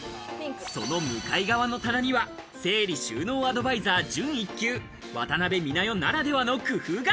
その向かい側の棚には整理収納アドバイザー準１級、渡辺美奈代ならではの工夫が。